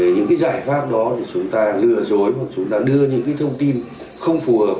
những cái giải pháp đó để chúng ta lừa dối hoặc chúng ta đưa những cái thông tin không phù hợp